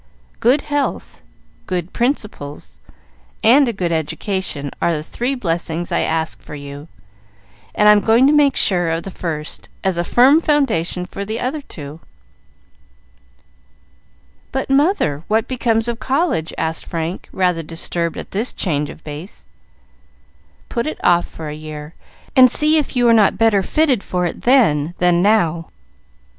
Good health, good principles, and a good education are the three blessings I ask for you, and I am going to make sure of the first, as a firm foundation for the other two." "But, mother, what becomes of college?" asked Frank, rather disturbed at this change of base. "Put it off for a year, and see if you are not better fitted for it then than now."